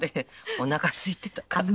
おなかすいてたから。